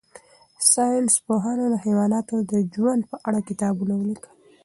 ساینس پوهانو د حیواناتو د ژوند په اړه کتابونه ولیکل.